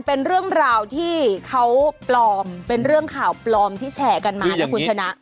เป็นเรื่องราวที่เขาปลอมเป็นเรื่องข่าวปลอมที่แชร์กันมานะคุณชนะ